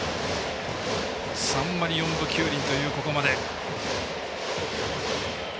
３割４分９厘というここまで。